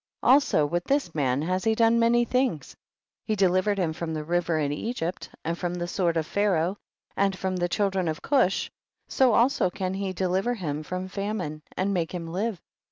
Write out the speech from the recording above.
34. Also with this man has he done many things, he delivered him from the river in Egypt and from the sword of Pharaoh, and from the children of Gush, so also can he de liver him from famine and make him live, 35.